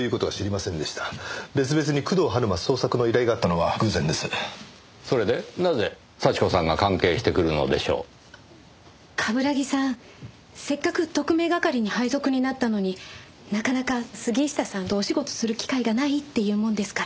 せっかく特命係に配属になったのになかなか杉下さんとお仕事する機会がないっていうもんですから。